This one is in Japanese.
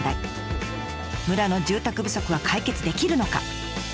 村の住宅不足は解決できるのか。